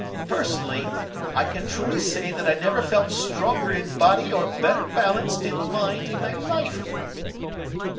Personally, I can truly say that I never felt stronger in body or better balanced in mind in my life."